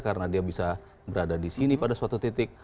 karena dia bisa berada di sini pada suatu titik